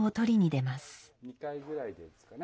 ２回ぐらいでいいですかね。